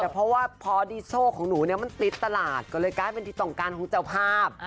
เพราะว่าพอดีโซ่ของหนูมันติดตลาดก็เลยกลายเป็นที่ต้องการของเจ้าภาพ